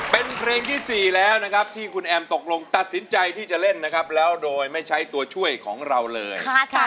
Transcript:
เป็นเพลงที่๔แล้วนะครับที่คุณแอมตกลงตัดสินใจที่จะเล่นนะครับแล้วโดยไม่ใช้ตัวช่วยของเราเลย